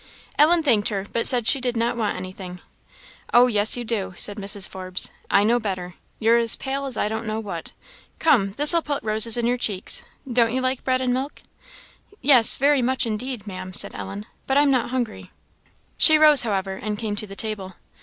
Ellen thanked her, but said she did not want anything. "Oh, yes, you do," said Mrs. Forbes; "I know better. You're as pale as I don't know what. Come! this'll put roses in your cheeks. Don't you like bread and milk?" "Yes, very much indeed, Maam," said Ellen; "but I'm not hungry." She rose, however, and came to the table.